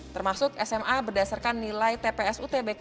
termasuk sma berdasarkan nilai tps utbk dua ribu dua puluh